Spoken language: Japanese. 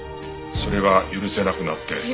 それが許せなくなって。